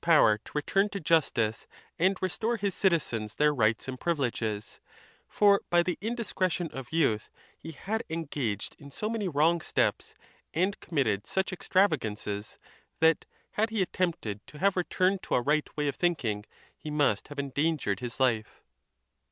er to return to justice, and restore his citizens their rights and privileges; for, by the indiscretion of youth, he had engaged in so many wrong steps and committed such ex travagances, that, had he attempted to have returned to —. way of thinking, he must have endangered his life.